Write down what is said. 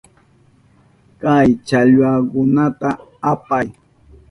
Kay challwakunata apay.